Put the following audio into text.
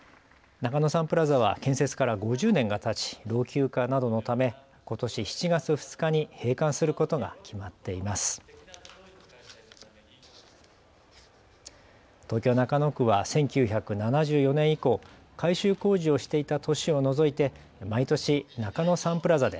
中野サンプラザは建設から５０年がたち老朽化などのためことし７月２日に閉館することが決まっています。